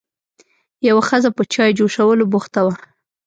یوه ښځه په چای جوشولو بوخته وه.